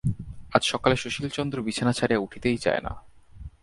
আজ সকালে সুশীলচন্দ্র বিছানা ছাড়িয়া উঠিতেই চায় না।